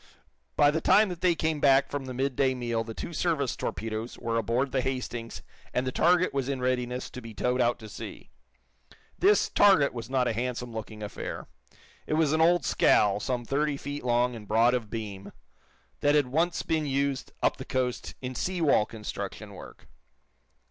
By the time that they came back from the midday meal the two service torpedoes were aboard the "Hastings" and the target was in readiness to be towed out to sea. This "target" was not a handsome looking affair. It was an old scow, some thirty feet long and broad of beam, that had once been used, up the coast, in sea wall construction work.